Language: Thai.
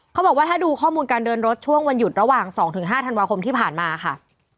เขาบอกว่าถ้าดูข้อมูลการเดินรถช่วงวันหยุดระหว่าง๒๕ธันวาคมที่ผ่านมาค่ะ